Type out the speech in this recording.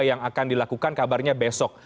yang akan dilakukan kabarnya besok